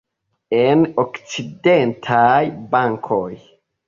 En okcidentaj bankoj.